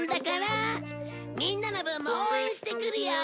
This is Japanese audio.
みんなの分も応援してくるよ。